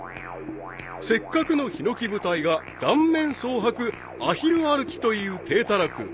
［せっかくのひのき舞台が顔面蒼白アヒル歩きという体たらく］